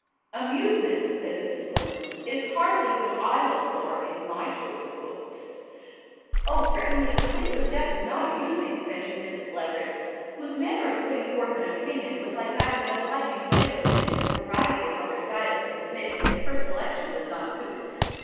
"Amusement," said Mrs. Plinth, "is hardly what I look for in my choice of books." "Oh, certainly, 'The Wings of Death' is not amusing," ventured Mrs. Leveret, whose manner of putting forth an opinion was like that of an obliging salesman with a variety of other styles to submit if his first selection does not suit.